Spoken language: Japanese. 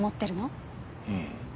うん。